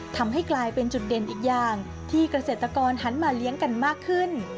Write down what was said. ทำให้กลายเป็นจุดเด่นอีกอย่างที่เกษตรกรหันมาเลี้ยงกันมากขึ้น